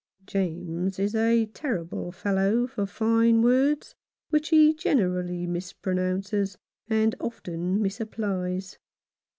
James is a terrible fellow for fine words, which he generally mispronounces and often misapplies.